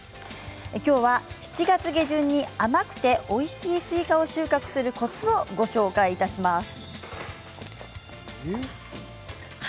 きょうは７月下旬に甘くておいしいスイカを収穫するコツをご紹介します。